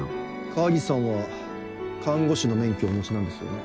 川岸さんは看護師の免許をお持ちなんですよね？